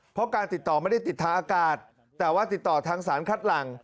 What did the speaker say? เพราะการติดต่อไม่ได้ติดทางอากาศแต่ว่าติดต่อทางสารคัดหลัง